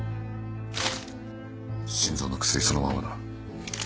心臓の薬そのままだ